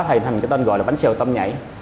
thì nó đã thành cái tên gọi là bánh xèo tôm nhảy